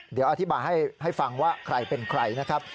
เดี๋ยวอธิบายให้ฟังว่าใครเป็นใครนะครับ